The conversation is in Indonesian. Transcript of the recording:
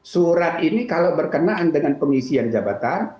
surat ini kalau berkenaan dengan pengisian jabatan